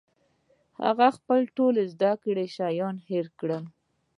هغه خپل ټول زده کړي شیان هېر کړل